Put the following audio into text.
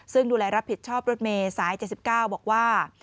ซึ่งดูแลรับผิดชอบรถเมย์สาย๗๙บอกว่า